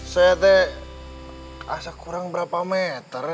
saya teh asa kurang berapa meter